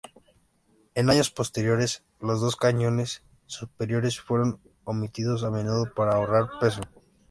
En años posteriores, los dos cañones superiores fueron omitidos a menudo para ahorrar peso.